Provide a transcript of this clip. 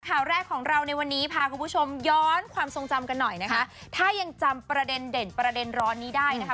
ข่าวแรกของเราในวันนี้พาคุณผู้ชมย้อนความทรงจำกันหน่อยนะคะถ้ายังจำประเด็นเด่นประเด็นร้อนนี้ได้นะคะ